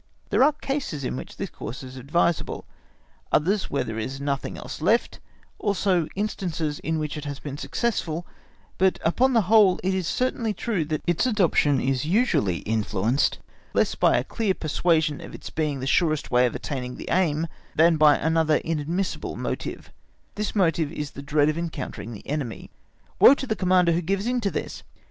There are cases in which this course is advisable; others where there is nothing else left; also instances in which it has been successful; but upon the whole it is certainly true that its adoption is usually influenced less by a clear persuasion of its being the surest way of attaining the aim than by another inadmissible motive—this motive is the dread of encountering the enemy. Woe to the Commander who gives in to this!